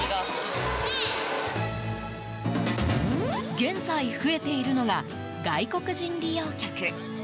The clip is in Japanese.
現在、増えているのが外国人利用客。